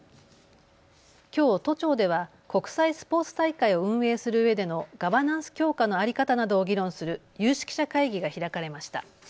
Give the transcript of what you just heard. きょう都庁では国際スポーツ大会を運営するうえでのガバナンス強化の在り方などを議論する有識者会議が開かれました。